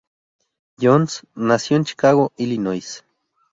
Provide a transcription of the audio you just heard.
Jones nació en Chicago, Illinois.